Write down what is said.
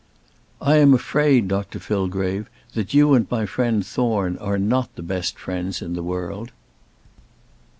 "I am afraid, Dr Fillgrave, that you and my friend Thorne are not the best friends in the world."